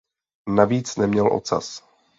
Navíc neměl ocas.